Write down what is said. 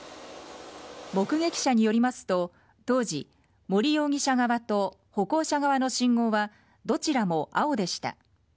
目撃者によりますと、当時、森容疑者側と歩行者側の信号はどちらも青でした。